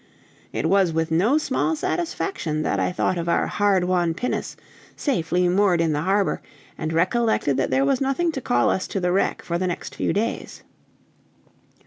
It was with no small satisfaction that I thought of our hard won pinnace, safely moored in the harbor, and recollected that there was nothing to call us to the wreck for the next few days.